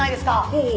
ほう。